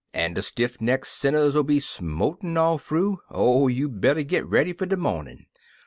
En de stiff neck sinners 'II be smotin' all fru — Oh, you better git ready fer de mornin'